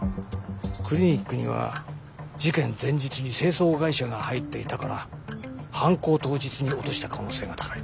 クリニックには事件前日に清掃会社が入っていたから犯行当日に落とした可能性が高い。